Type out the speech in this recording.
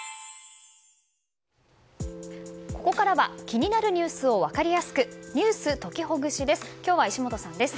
ここからは気になるニュースを分かりやすくｎｅｗｓときほぐしです。